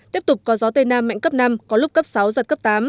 tiếp tục có gió tây nam mạnh cấp năm có lúc cấp sáu giật cấp tám